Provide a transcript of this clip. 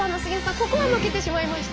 ここは負けてしまいました。